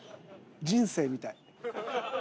人生みたい。